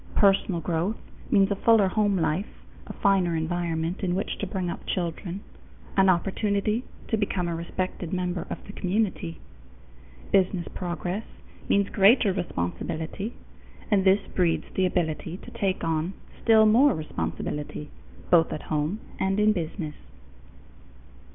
Personal growth means a fuller home life, a finer environment in which to bring up children, an opportunity to become a respected member of the community. Business progress means greater responsibility, and this breeds the ability to take on still more responsibility, both at home and in business.